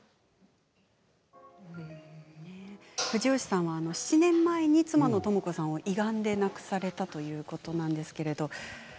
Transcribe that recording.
藤吉さんは７年前に妻の朋子さんを胃がんで亡くされたということです。